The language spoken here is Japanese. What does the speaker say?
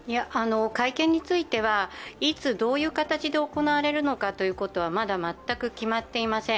会見についてはいつどういう形で行われるかはまだ全く決まっていません。